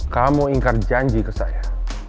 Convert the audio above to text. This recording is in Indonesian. kamu ingkar janji ke saya